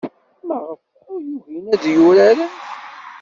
Maɣef ay ugin ad uraren?